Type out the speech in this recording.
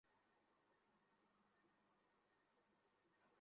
আরে, এটাই তো ওর বড় দূর্বলতা!